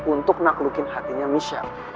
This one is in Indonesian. untuk naklukin hatinya michelle